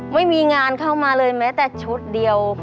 ไม่มีงานเข้ามาเลยแม้แต่ชุดเดียว